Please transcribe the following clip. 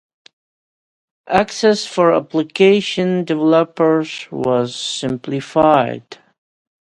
Access for application developers was simplified.